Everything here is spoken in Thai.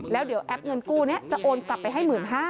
แล้วเดี๋ยวแอปเงินกู้นี้จะโอนกลับไปให้๑๕๐๐